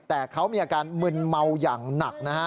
แต่เขามีอาการมึนเมาอย่างหนักนะฮะ